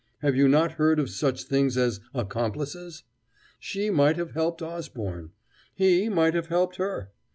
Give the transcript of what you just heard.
Have you not heard of such things as accomplices? She might have helped Osborne! He might have helped her!